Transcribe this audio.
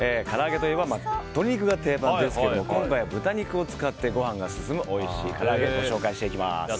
から揚げといえば鶏肉が定番ですけれども今回は豚肉を使ってご飯が進むおいしいから揚げご紹介していきます。